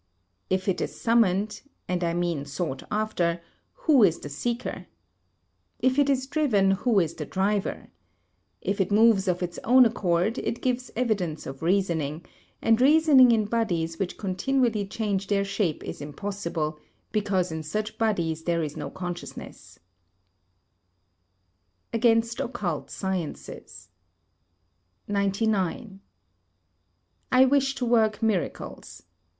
If it is summoned, and I mean sought after, who is the seeker? If it is driven, who is the driver? If it moves of its own accord, it gives evidence of reasoning; and reasoning in bodies which continually change their shape is impossible, because in such bodies there is no consciousness. [Sidenote: Against Occult Sciences] 99. I wish to work miracles.